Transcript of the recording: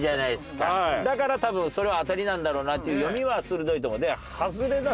だから多分それはアタリなんだろうなっていう読みは鋭いと思う。